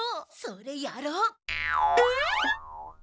それやろう！